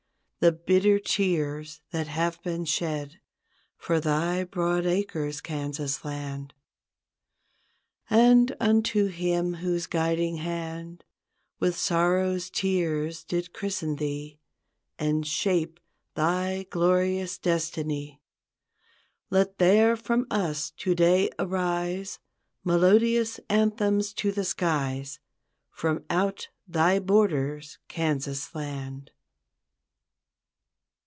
The bitter tears that have been shed For thy broad acres, Kansas Land. And unto Him whose guiding hand With sorrow's tears did christen thee And shape thy glorious destiny, Let there from us today arise Melodious anthems to the skies From out thy borders, Kansas Land.